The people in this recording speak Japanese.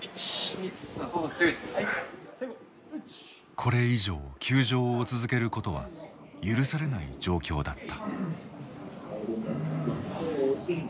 これ以上休場を続けることは許されない状況だった。